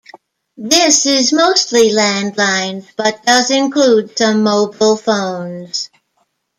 This is mostly landlines, but does include some mobile phones.